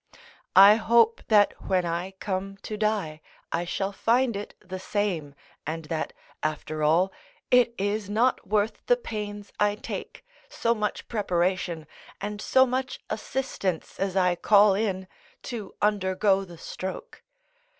I hope that when I come to die I shall find it the same, and that, after all, it is not worth the pains I take, so much preparation and so much assistance as I call in, to undergo the stroke.